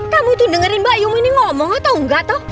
kamu itu dengerin mbak yum ini ngomong atau